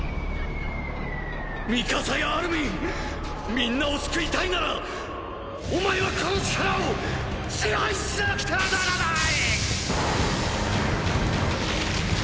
ミカサやアルミンみんなを救いたいならお前はこの力を支配しなくてはならない！！